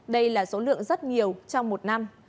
đây là số lượng rất nhiều trong một năm